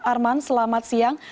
arman selamat siang